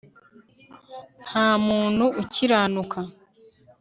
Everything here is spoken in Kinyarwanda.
nta muntu ukiranuka